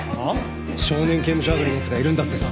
少年刑務所上がりのやつがいるんだってさ。